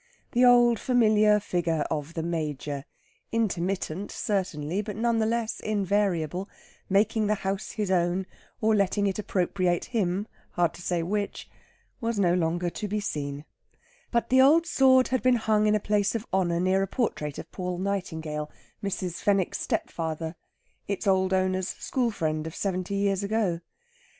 The old familiar figure of "the Major" intermittent, certainly, but none the less invariable; making the house his own, or letting it appropriate him, hard to say which was no longer to be seen; but the old sword had been hung in a place of honour near a portrait of Paul Nightingale, Mrs. Fenwick's stepfather its old owner's school friend of seventy years ago.